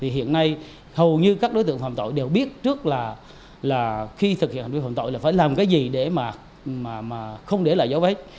hiện nay hầu như các đối tượng phạm tội đều biết trước là khi thực hiện hành vi phạm tội là phải làm cái gì để mà không để lại dấu vết